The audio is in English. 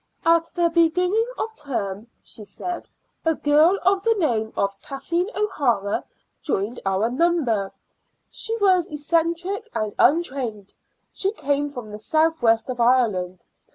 "At the beginning of the term," she said, "a girl of the name of Kathleen O'Hara joined our number. She was eccentric and untrained. She came from the south west of Ireland.